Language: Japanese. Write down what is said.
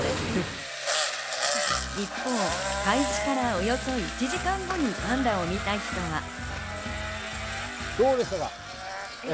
一方、開始からおよそ１時間後にパンダを見た人は。